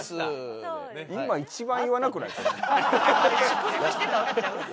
祝福してたわけちゃうねん。